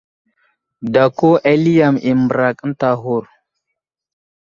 Dako ali yam i mbərak ənta aghur.